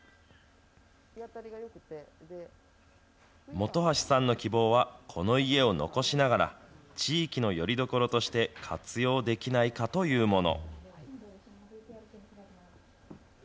本橋さんの希望は、この家を残しながら、地域のよりどころとして活用できないかというもの。